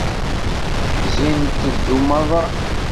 Zzint-d i umaḍal!